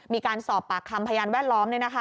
มีการสอบปากคำพยานแวดล้อม